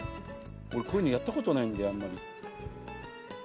俺こういうのやったことないんだよあんまり。